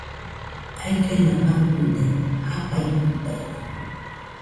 Ailluena maɨde, jafaikɨtaide.